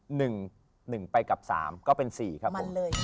หนึ่งไปกับสามก็เป็นสี่ครับผม